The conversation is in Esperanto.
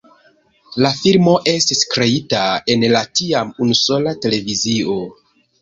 La filmo estis kreita en la tiam unusola televizio.